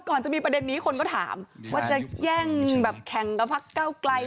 ก่อนจะมีประเด็นนี้คนก็ถามว่าจะแย่งแบบแข่งกับพักเก้าไกล